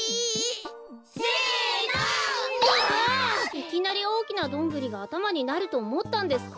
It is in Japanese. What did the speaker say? いきなりおおきなどんぐりがあたまになるとおもったんですか？